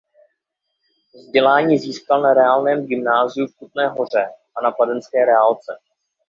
Vzdělání získal na reálném gymnáziu v Kutné Hoře a na kladenské reálce.